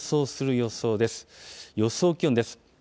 予想気温です。